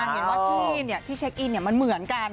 เห็นว่าที่ที่เชคอินเนี่ยเหมือนกัน